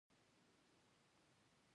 آیا فارسي ژبه علمي شوې نه ده؟